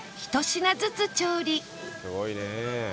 すごいね。